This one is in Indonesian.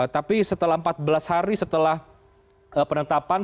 tapi setelah empat belas hari setelah penetapan